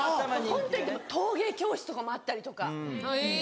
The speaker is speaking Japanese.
ホントに陶芸教室とかもあったりとか。